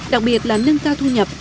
đặc biệt là nâng cao thu nhập